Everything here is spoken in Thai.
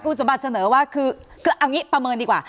คุณสมบัติเสนอว่าคือเอางี้ประเมินดีกว่า